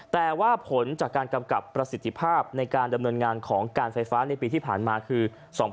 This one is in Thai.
แต่ว่าผลจากการกำกับประสิทธิภาพในการดำเนินงานของการไฟฟ้าในปีที่ผ่านมาคือ๒๕๖๒